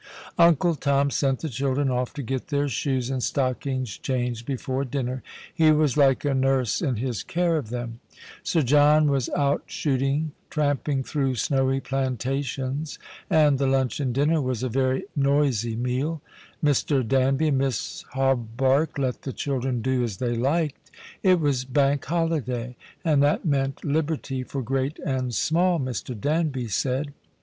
Uncle Tom sent the children off to get their shoes and stockings changed before dinner. He was like a nurse in his care of them. 8ir John was out shooting, tramping through snowy plantations, and the luncheon dinner was a very noisy meal. Mr. Danby and Miss Hawberk let the children do as they liked. It was Bank Holiday, and that meant liberty for great and small, Mr. Danby said.